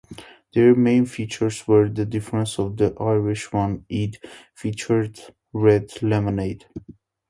Their main features were the difference of the Irish.One ad featured Red Lemonade.